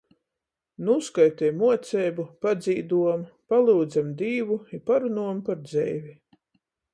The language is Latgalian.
Nūskaiteju muoceibu, padzīduom, palyudzem Dīvu i parunuom par dzeivi.